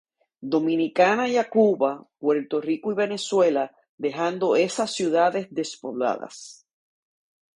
Dominicana y a Cuba, Puerto Rico y Venezuela, dejando esas ciudades despobladas.